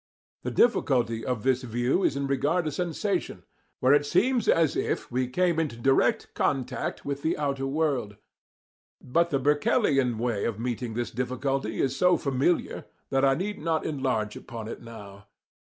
The difficulty of this view is in regard to sensation, where it seems as if we came into direct contact with the outer world. But the Berkeleian way of meeting this difficulty is so familiar that I need not enlarge upon it now.